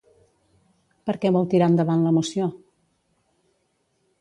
Per què vol tirar endavant la moció?